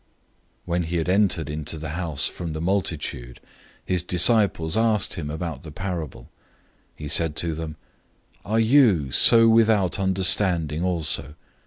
007:017 When he had entered into a house away from the multitude, his disciples asked him about the parable. 007:018 He said to them, "Are you thus without understanding also?